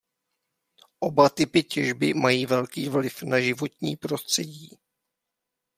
Oba typy těžby mají velký vliv na životní prostředí.